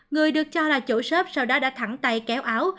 người được cho là chỗ shop sau đó đã thẳng tay kéo áo